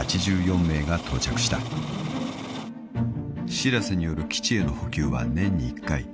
［しらせによる基地への補給は年に１回］